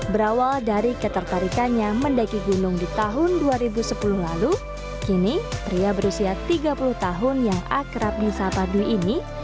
berawal dari ketertarikannya mendaki gunung di tahun dua ribu sepuluh lalu kini pria berusia tiga puluh tahun yang akrab di sapa dwi ini